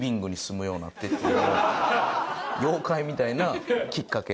妖怪みたいなきっかけ